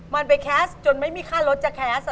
มันไปแคสต์จนไม่มีค่ารถจะแคสต์